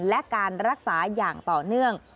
และการรักษาอย่างต่อเนื่อง